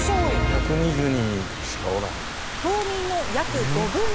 １２０人しかおらへん。